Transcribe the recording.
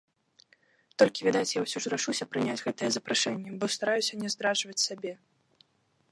Толькі, відаць, я ўсё ж рашуся прыняць гэтыя запрашэнні, бо стараюся не здраджваць сабе.